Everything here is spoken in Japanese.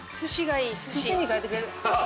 寿司に変えてくれる？